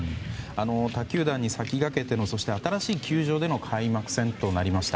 他球団に先駆けてのそして新しい球場での開幕戦となりました。